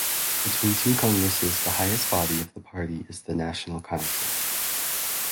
Between two congresses the highest body of the party is the National Council.